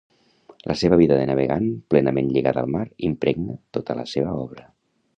La seva vida de navegant, plenament lligada al mar, impregna tota la seva obra.